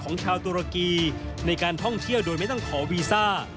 ของชาวตุรกีในการท่องเที่ยวโดยไม่ต้องขอวีซ่า